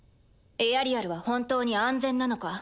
エアリアルは本当に安全なのか